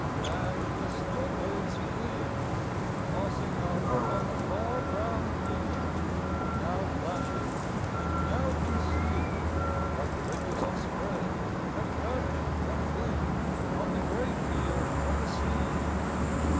And the snowbirds flee, Tossing up on the far brown field, Now flashing and now concealed, Like fringes of spray That vanish and gleam on the gray Field of the sea.